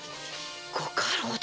ご家老殿！